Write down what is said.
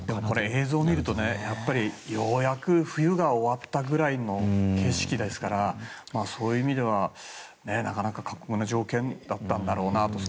映像を見るとようやく冬が終わったぐらいの景色ですからそういう意味ではなかなか過酷な条件だったんだろうなと。